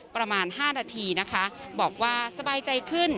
ประมาณ๕นาทีนะคะบอกว่าสบายใจขึ้น